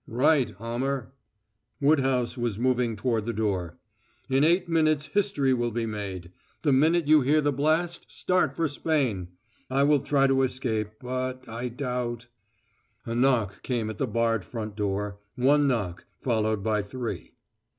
"Right, Almer!" Woodhouse was moving toward the door. "In eight minutes history will be made. The minute you hear the blast, start for Spain. I will try to escape, but I doubt " A knock came at the barred front door one knock, followed by three.